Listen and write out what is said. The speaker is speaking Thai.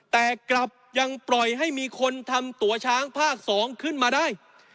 แต่กลับยังปล่อยให้มีคนทำตัวช้างภาค๒ขึ้นมาได้